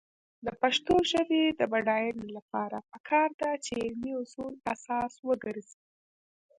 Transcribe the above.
د پښتو ژبې د بډاینې لپاره پکار ده چې علمي اصول اساس وګرځي.